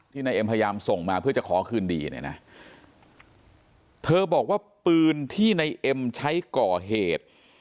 นายเอ็มพยายามส่งมาเพื่อจะขอคืนดีเนี่ยนะเธอบอกว่าปืนที่นายเอ็มใช้ก่อเหตุ